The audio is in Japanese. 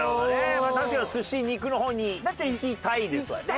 まあ確かに寿司肉の方にいきたいですわね。